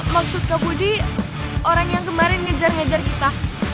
maksud ke budi orang yang kemarin ngejar ngejar kita